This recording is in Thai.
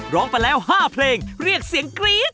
ร้องไปแล้ว๕เพลงเรียกเสียงกรี๊ด